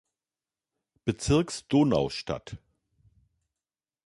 Bezirks Donaustadt.